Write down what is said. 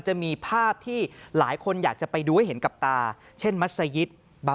จะมีภาพที่หลายคนอยากจะไปดูให้เห็นกับตาเช่นมัศยิต